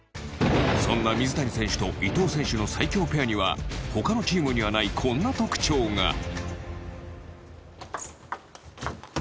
そんな水谷選手と伊藤選手の最強ペアにはほかのチームにはないこんな特徴が。